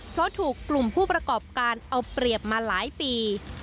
เพราะถูกกลุ่มผู้ประกอบการเอาเปรียบมาหลายปี